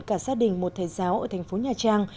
cả gia đình một thầy giáo ở thành phố nhà trang